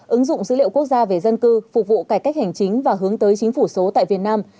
ứng dụng dữ liệu quốc gia về dân cư phục vụ cải cách hành chính và hướng tới chính phủ số tại việt nam